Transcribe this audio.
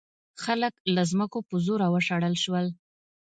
خلک له ځمکو په زوره وشړل شول.